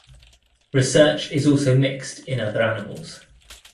Research is also mixed in other animals.